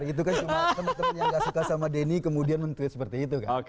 itu kan cuma teman teman yang gak suka sama denny kemudian men tweet seperti itu kan